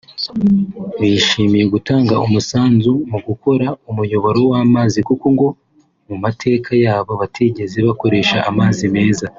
Bishimiye gutanga umusanzu mu gukora umuyoboro w’amazi kuko ngo mu mateka yabo batigeze bakoresha amazi meza